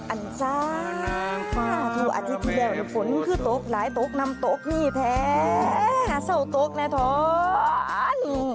อันซ่าอาทิตย์ที่แล้วฝนคือโต๊กหลายโต๊กนำโต๊กนี่แท้หาเศร้าโต๊กแน่ท้อน